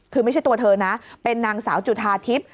คือไม่ใช่ตัวเธอนะเป็นนางสาวจุธาทิพย์